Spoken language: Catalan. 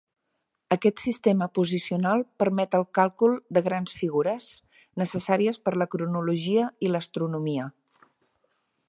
Aquest sistema posicional permet el càlcul de grans figures, necessàries per la cronologia i l'astronomia.